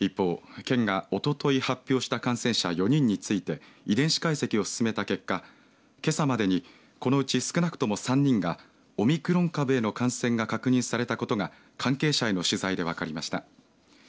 一方、県がおととい発表した感染者４人について遺伝子解析を進めた結果けさまでにこのうち少なくとも３人がオミクロン株への感染が確認されたことが関係者への取材で分かりました。